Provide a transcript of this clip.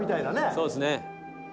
そうですね。